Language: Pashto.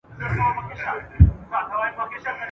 هره ورځ به زموږ خپلوان پکښي بندیږی ..